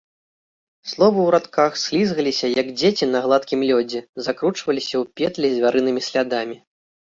Словы ў радках слізгаліся, як дзеці на гладкім лёдзе, закручваліся ў петлі звярынымі слядамі.